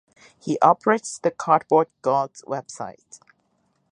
He operates the Cardboard Gods website.